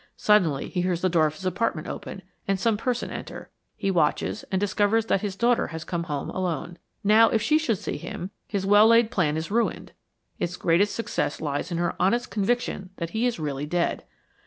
Suddenly he hears the door of his apartment open, and some person enter. He watches, and discovers that his daughter has come home, alone. Now, if she should see him, his well laid plan is ruined. Its greatest success lies in her honest conviction that he is really dead.